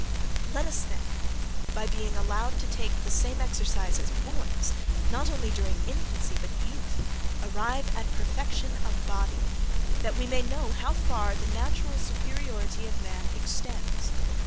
Let us then, by being allowed to take the same exercise as boys, not only during infancy, but youth, arrive at perfection of body, that we may know how far the natural superiority of man extends.